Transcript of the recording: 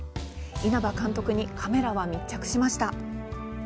稲葉監督にカメラは密着しました。